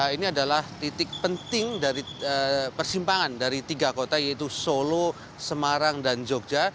ini adalah titik penting dari persimpangan dari tiga kota yaitu solo semarang dan jogja